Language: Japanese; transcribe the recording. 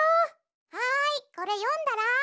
はいこれよんだら！